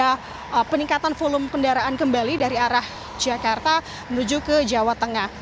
kalau delapan april juga nanti akan ada peningkatan volume kendaraan kembali dari arah jakarta menuju ke jawa tengah